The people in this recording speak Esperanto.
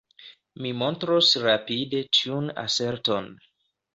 Mi montros rapide tiun aserton".